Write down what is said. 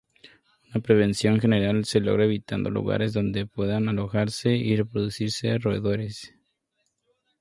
Una prevención general se logra evitando lugares donde puedan alojarse y reproducirse roedores.